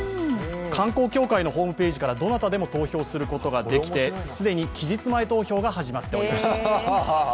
観光協会のホームページからどなたでも投票することができて、既に期日前投票が始まっています。